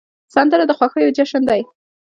سندره د خوښیو جشن دی